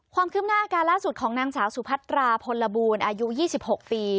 ความคืบหน้าอาการล่าสุดของนางสาวสุพัตราพลบูลอายุ๒๖ปี